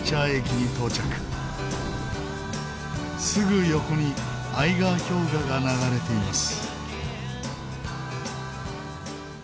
すぐ横にアイガー氷河が流れています。